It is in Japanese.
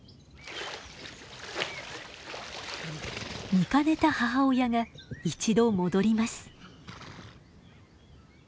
見かねた母親が一度戻ります。